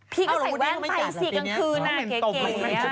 พี่ก็ใส่แว่นไปสิกลางคืนเก๋ไหม